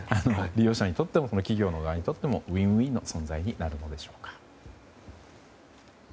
利用者にとっても企業の側にとってもウィンウィンの存在になるのでしょうか。